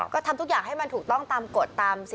ก็ทำทุกอย่างให้มันถูกต้องตามกฎตามสิ